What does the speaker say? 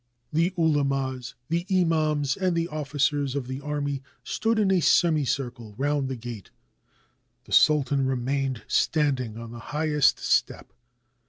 The ulemas, the imams, and the officers of the army stood in a semicircle round the gate. The sultan re mained standing on the highest step.